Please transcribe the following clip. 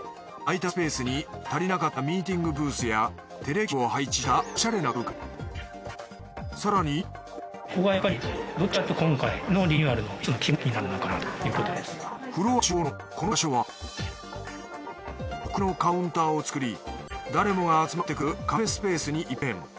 空いたスペースに足りなかったミーティングブースやテレキューブを配置したおしゃれな空間更にフロア中央のこの場所は木目のカウンターを作り誰もが集まってくるカフェスペースに一変。